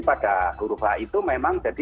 pada huruf h itu memang jadinya